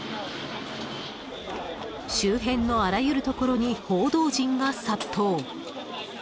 ［周辺のあらゆるところに報道陣が殺到］